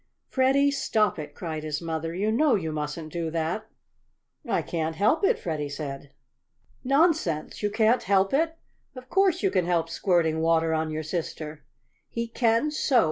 "Freddie, stop it!" cried his mother. "You know you mustn't do that!" "I can't help it," Freddie said. "Nonsense! You can't help it? Of course you can help squirting water on your sister!" "He can so!"